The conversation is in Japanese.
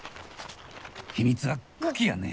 秘密は茎やね！